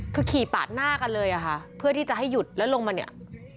คือขี่ปาดหน้ากันเลยอะค่ะเพื่อที่จะให้หยุดแล้วลงมาเนี่ย